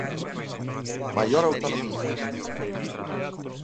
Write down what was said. Maior autonomía.